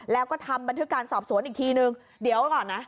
แล้วก็ทำบันทึกการสอบสวนอีกทีนึงเดี๋ยวก่อนนะ